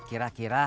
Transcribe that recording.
bukan om herman